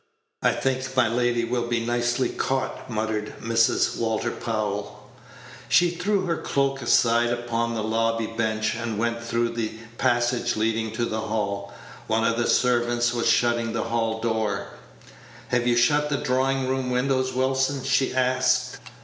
"I think my lady will be nicely caught," muttered Mrs. Walter Powell. She threw her cloak aside upon the lobby bench, and went through a passage leading to the hall. One of the servants was shutting the hall door. "Have you shut the drawing room windows, Wilson?" she asked.